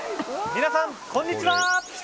皆さん、こんにちは！